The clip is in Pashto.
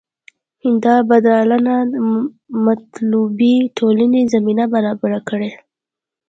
دا بدلانه د مطلوبې ټولنې زمینه برابره کړي.